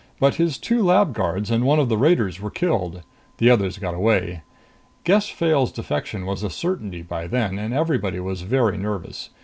But his two lab guards and one of the raiders were killed. The others got away. Gess Fayle's defection was a certainty by then, and everybody was very nervous.